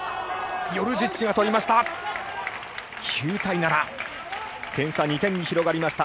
ヨルジッチが取りました。